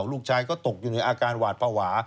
ลูกชายก็ตกอยู่อาการวาดปวา